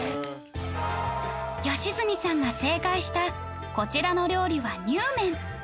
良純さんが正解したこちらの料理はにゅうめん